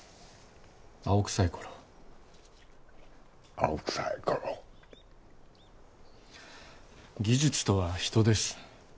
青臭い頃を青臭い頃技術とは人です